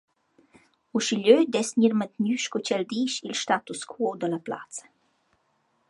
Uschigliö dess gnir mantgnü sco ch’el disch il status quo da la plazza.